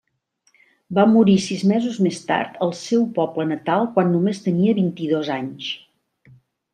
Va morir sis mesos més tard al seu poble natal quan només tenia vint-i-dos anys.